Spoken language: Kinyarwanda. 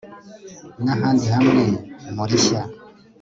na handi hamwe mu rishya